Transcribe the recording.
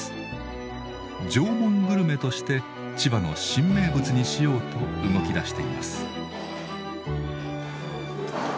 「縄文グルメ」として千葉の新名物にしようと動きだしています。